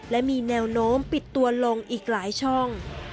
และมีแนวโน้มปิดตัวลงอีกหลายช่อง